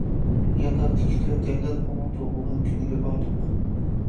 ياتاقتىكى تۆتەيلەن ئۇنىڭ تۇغۇلغان كۈنىگە باردۇق.